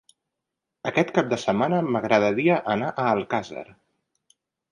Aquest cap de setmana m'agradaria anar a Alcàsser.